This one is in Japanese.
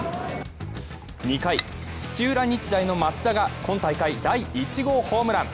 ２回、土浦日大の松田が今大会第１号ホームラン。